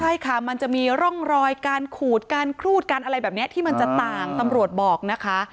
ใช่ค่ะมันจะมีร่องรอยการขูดการครูดการอะไรแบบนี้ที่มันจะต่างตำรวจบอกนะคะ